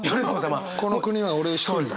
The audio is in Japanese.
この国は俺一人だ。